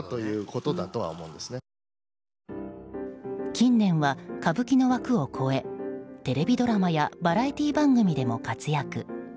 近年は歌舞伎の枠を越えテレビドラマやバラエティー番組でも活躍。